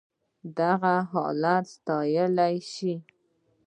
دغه حالت ستايل شي.